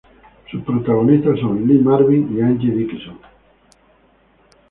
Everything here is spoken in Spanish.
Sus protagonistas son Lee Marvin y Angie Dickinson.